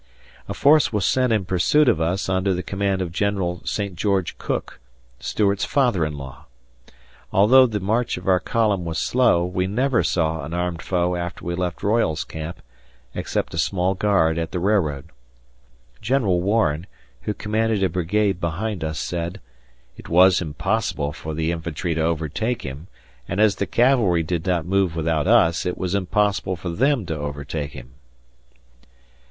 A force was sent in pursuit of us under the command of General St. George Cooke Stuart's father in law. Although the march of our column was slow, we never saw an armed foe after we left Royall's camp, except a small guard at the railroad. General Warren, who commanded a brigade behind us, said, "It was impossible for the infantry to overtake him and as the cavalry did not move without us, it was impossible for them to overtake him."